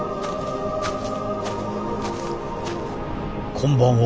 こんばんは。